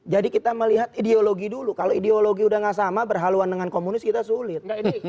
jadi kita melihat ideologi dulu kalau ideologi udah nggak sama berhaluan dengan komunis kita sulit